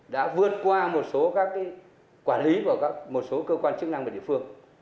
đã vượt qua một số các quản lý và một số cơ quan chức năng của địa phương